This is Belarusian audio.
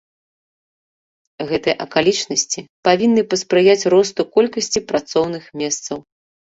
Гэтыя акалічнасці павінны паспрыяць росту колькасці працоўных месцаў.